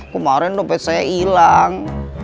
kemaren dopet saya hilang